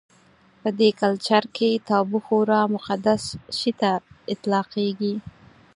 په دې کلچر کې تابو خورا مقدس شي ته اطلاقېږي.